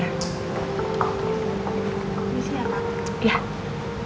makasih ya pak